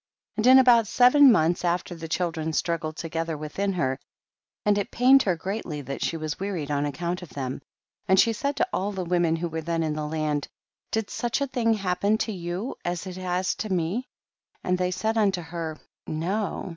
9. And in about seven months after the children struggled together within her, and it pained her greatly that she was wearied on account of them, and she said to all the women who were then in the land, did such a thing happen to you as it has to mc ? and they said unto her, no.